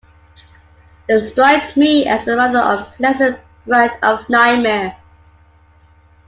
It strikes me as a rather unpleasant brand of nightmare.